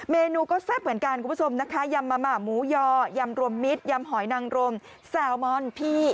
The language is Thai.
เมนูก็แซ่บเหมือนกันคุณผู้ชมนะคะยำมะห่าหมูยอยำรวมมิตรยำหอยนังรมแซลมอนพี่